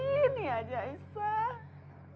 sekali ini aja aisyah